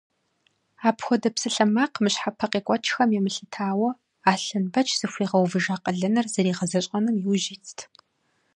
Апхуэдэ псалъэмакъ мыщхьэпэ къекӏуэкӏхэм емылъытауэ, Аслъэнбэч зыхуигъэувыжа къалэныр зэригъэзэщӏэным иужь итт.